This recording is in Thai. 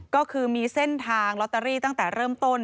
ก็คือมีเส้นทางลอตเตอรี่ตั้งแต่เริ่มต้น